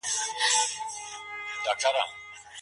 ابليس د عادي جرمونو په مقابل کي څه وايي؟